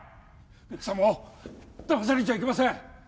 皆さんもだまされちゃいけません